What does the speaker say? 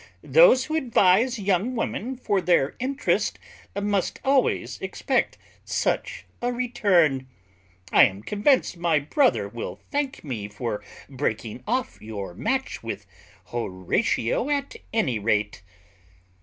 Those who advise young women for their interest, must always expect such a return: I am convinced my brother will thank me for breaking off your match with Horatio, at any rate."